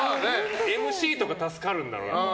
ＭＣとかは助かるんだろうな。